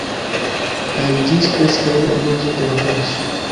Kaj ĝis preskaŭ la mezo de la dorso